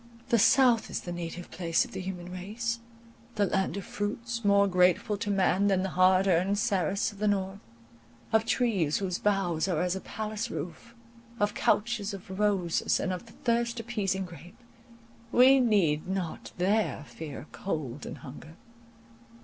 The south is the native place of the human race; the land of fruits, more grateful to man than the hard earned Ceres of the north,—of trees, whose boughs are as a palace roof, of couches of roses, and of the thirst appeasing grape. We need not there fear cold and hunger.